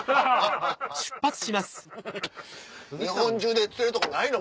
日本中で釣れるとこないの？